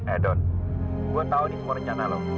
eh don gue tau ini semua rencana lo